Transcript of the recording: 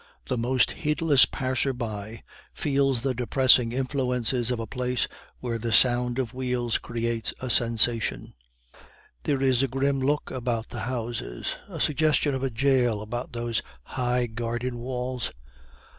The most heedless passer by feels the depressing influences of a place where the sound of wheels creates a sensation; there is a grim look about the houses, a suggestion of a jail about those high garden walls.